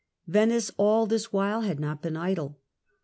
Venice all this while had not been idle.